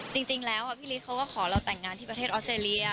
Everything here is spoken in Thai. จริงแล้วพี่ฤทธิเขาก็ขอเราแต่งงานที่ประเทศออสเตรเลีย